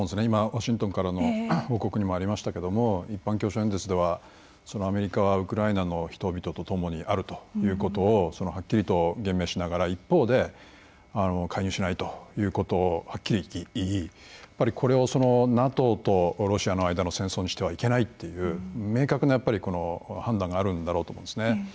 今ワシントンからの報告にもありましたけども一般教書演説ではアメリカはウクライナの人々とともにあるということをはっきりと言明しながら一方で介入しないということをはっきりと言いこれをＮＡＴＯとロシアの間の戦争にしてはいけないっていう明確なやっぱりこの判断があるんだろうと思うんですね。